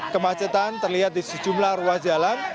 kemacetan terlihat di sejumlah ruas jalan